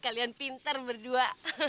kalian pintar berdua